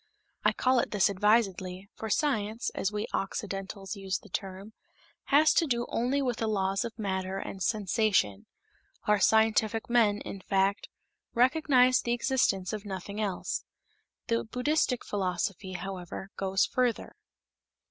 I call it this advisedly, for science, as we Occidentals use the term, has to do only with the laws of matter and sensation; our scientific men, in fact, recognize the existence of nothing else. The Buddhistic philosophy, however, goes further.